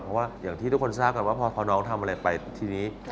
เพราะว่าอย่างที่ทุกคนทราบกันว่าพอน้องทำอะไรไปทีนี้